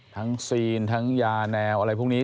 ซีนทั้งยาแนวอะไรพวกนี้